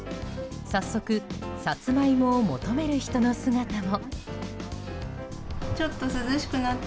早速サツマイモを求める人の姿も。